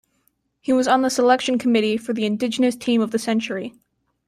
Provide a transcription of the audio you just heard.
He was on the selection committee for the Indigenous Team of the Century.